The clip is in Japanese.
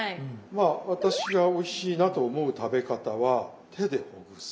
まあ私がおいしいなと思う食べ方は手でほぐす。